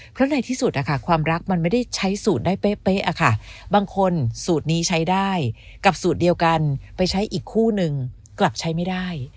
เพราะในที่สุดความรักมันไม่ได้ใช้สูตรได้เป๊ะบางคนสูตรนี้ใช้ได้กับสูตรเดียวกันไปใช้อีกคู่นึงกลับใช้ไม่ได้